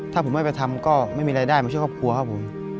ถ้าผมไม่ไปทำก็ไม่มีรายได้มาช่วยครอบครัวครับผม